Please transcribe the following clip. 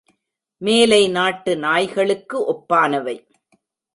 மேலை நாட்டு நாய்களுக்கு ஒப்பானவை.